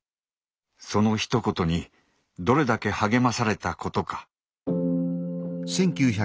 そのひと言にどれだけ励まされたことか。